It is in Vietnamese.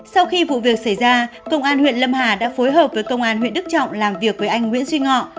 sau khi vụ việc xảy ra công an huyện lâm hà đã phối hợp với công an huyện đức trọng làm việc với anh nguyễn duy ngọ